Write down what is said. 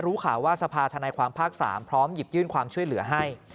รู้ข่าวว่าสภาธนายความภาค๓พร้อมหยิบยื่นความช่วยเหลือให้